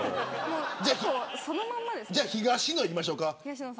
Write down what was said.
じゃあ、東野いきましょうか。